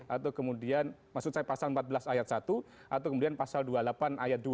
atau kemudian maksud saya pasal empat belas ayat satu atau kemudian pasal dua puluh delapan ayat dua